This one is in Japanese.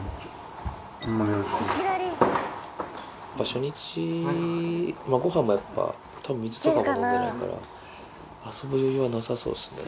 初日、ごはんもやっぱ、たぶん水とかも飲んでないから、遊ぶ余裕はなさそうっすね。